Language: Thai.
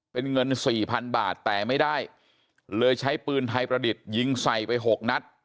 เป็นเงินสี่พันบาทแต่ไม่ได้เลยใช้ปืนไทยประดิษฐ์ยิงใส่ไป๖นัด